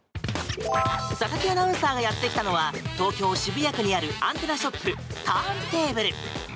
佐々木アナウンサーがやってきたのは東京・渋谷区にあるアンテナショップＴｕｒｎＴａｂｌｅ。